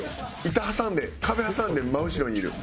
板挟んで壁挟んで真後ろにいる。